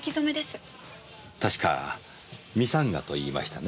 確かミサンガといいましたね。